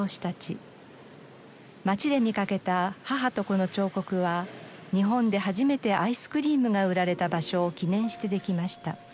街で見かけた母と子の彫刻は日本で初めてアイスクリームが売られた場所を記念してできました。